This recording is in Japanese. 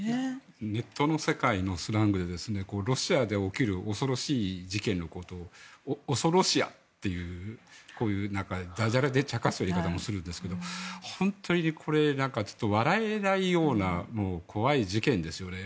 ネットの世界のスラングでロシアで起きる恐ろしい事件のことをおそロシアというだじゃれで茶化す言い方もするんですが笑えないような怖い事件ですよね。